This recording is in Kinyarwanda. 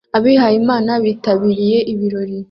Abihayimana bitabiriye ibirori